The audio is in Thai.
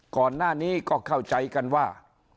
ก่อนหน้านี้ก็เข้าใจกันว่า